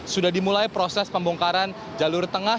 sudah dimulai proses pembongkaran jalur tengah